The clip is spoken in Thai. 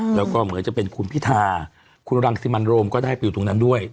แล้วก็เหมือนจะเป็นคุณพิธาคุณรังสิมันโรมก็ได้ไปอยู่ตรงนั้นด้วย